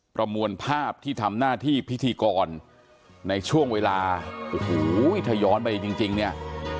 ประมวลภาพที่ทำหน้าที่พิธีกรในช่วงเวลาโอ้โหถ้าย้อนไปจริงเนี่ย